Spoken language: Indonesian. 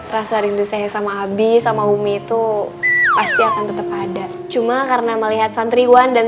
rasa rindu saya sama abi sama umi itu pasti akan tetap ada cuma karena melihat santriwan dan